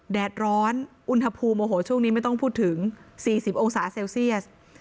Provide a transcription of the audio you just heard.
แดดร้อนอุณหภูมิโอ้โหช่วงนี้ไม่ต้องพูดถึง๔๐องศาเซลเซียส